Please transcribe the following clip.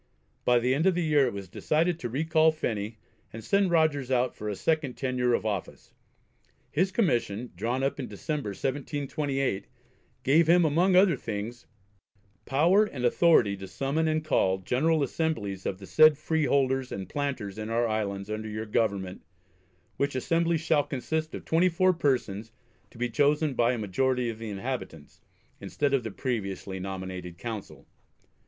By the end of the year it was decided to recall Phenney and send Rogers out for a second tenure of office. His commission, drawn up in December, 1728, gave him among other things, "power and authority to summon and call General Assemblies of the said Freeholders and Planters in our Islands under your Government, which Assembly shall consist of twenty four persons to be chosen by a majority of the inhabitants," instead of the previously nominated Council.